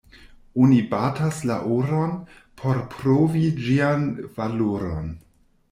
Oni batas la oron, por provi ĝian valoron.